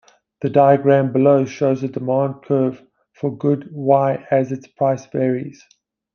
The diagram below shows the demand curve for good Y as its price varies.